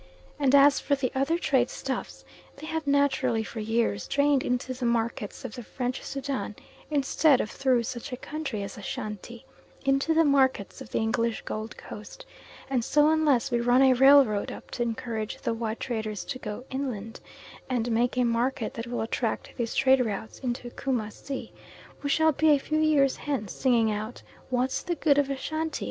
And as for the other trade stuffs, they have naturally for years drained into the markets of the French Soudan; instead of through such a country as Ashantee, into the markets of the English Gold Coast; and so unless we run a railroad up to encourage the white traders to go inland, and make a market that will attract these trade routes into Coomassie, we shall be a few years hence singing out "What's the good of Ashantee?"